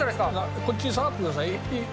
こっちに下がってください。